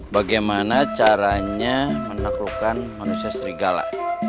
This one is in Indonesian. bagaimana caranya menaklukkan manusia serigala